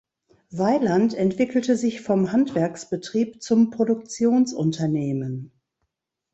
Vaillant entwickelte sich vom Handwerksbetrieb zum Produktionsunternehmen.